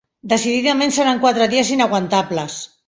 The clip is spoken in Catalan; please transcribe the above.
Decididament seran quatre dies inaguantables.